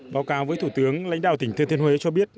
báo cáo với thủ tướng lãnh đạo tỉnh thừa thiên huế cho biết